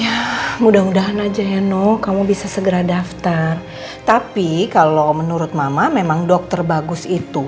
ya mudah mudahan aja heno kamu bisa segera daftar tapi kalau menurut mama memang dokter bagus itu